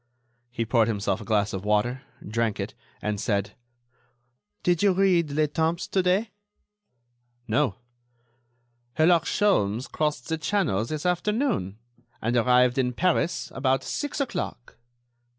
He poured himself a glass of water, drank it, and said: "Did you read 'Le Temps' to day?" "No." "Herlock Sholmes crossed the Channel this afternoon, and arrived in Paris about six o'clock."